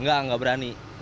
nggak nggak berani